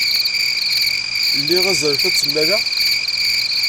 Liɣ azref ad tt-nnaleɣ?